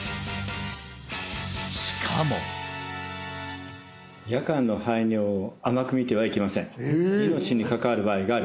しかも夜間の排尿を甘く見てはいけませんえ！